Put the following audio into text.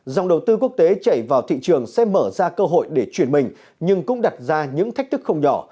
dòng đầu tư quốc tế chảy vào thị trường sẽ mở ra cơ hội để chuyển mình nhưng cũng đặt ra những thách thức không nhỏ